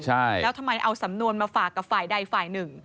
ใช่แล้วทำไมเอาสำนวนมาฝากกับฝ่ายใดฝ่ายหนึ่ง